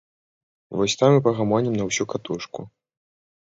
Вось там і пагамонім на ўсю катушку.